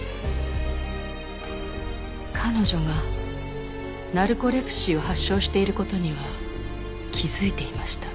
彼女がナルコレプシーを発症している事には気づいていました。